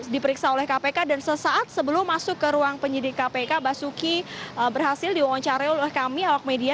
diperiksa oleh kpk dan sesaat sebelum masuk ke ruang penyidik kpk basuki berhasil diwawancari oleh kami awak media